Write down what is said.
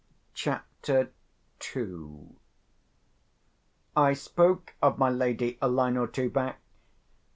CHAPTER II I spoke of my lady a line or two back.